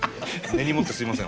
根に持ってすいません